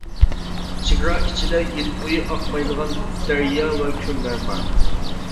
چېگرا ئىچىدە يىل بويى ئاقمايدىغان دەريا ۋە كۆللەر بار.